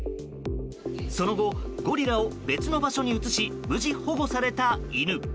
その後、ゴリラを別の場所に移し無事保護された犬。